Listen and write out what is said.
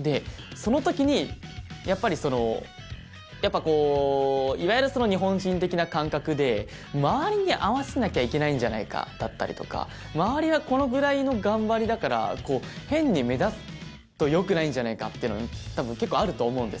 でその時にやっぱりそのやっぱこういわゆる日本人的な感覚で周りに合わせなきゃいけないんじゃないかだったりとか周りはこのぐらいの頑張りだから変に目立つと良くないんじゃないかっていうのが多分結構あると思うんですよ。